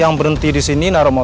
apa pas si tante